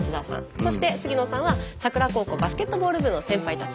そして杉野さんは佐倉高校バスケットボール部の先輩たち。